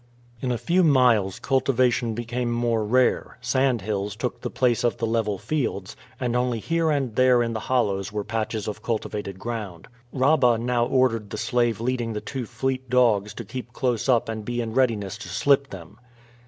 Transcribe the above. In a few miles cultivation became more rare; sandhills took the place of the level fields, and only here and there in the hollows were patches of cultivated ground. Rabah now ordered the slave leading the two fleet dogs to keep close up and be in readiness to slip them.